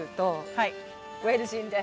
はいウェールズ人です。